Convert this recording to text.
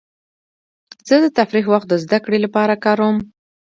زه د تفریح وخت د زدهکړې لپاره کاروم.